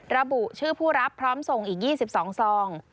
ระบุชื่อผู้รับพร้อมส่งอีก๒๒ซอง